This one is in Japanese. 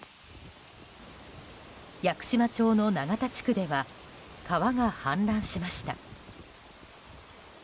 屋久島町の永田地区では川が氾濫しました。